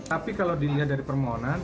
tapi kalau dilihat dari permohonan